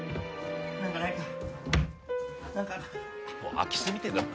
何かないか何か。